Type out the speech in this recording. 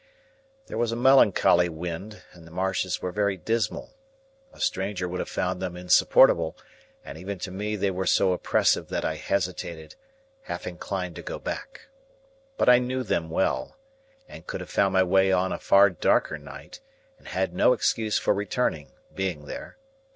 There was a melancholy wind, and the marshes were very dismal. A stranger would have found them insupportable, and even to me they were so oppressive that I hesitated, half inclined to go back. But I knew them well, and could have found my way on a far darker night, and had no excuse for returning, being there.